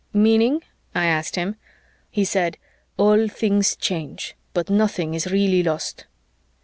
_" "Meaning?" I asked him. He said, "All things change, but nothing is really lost."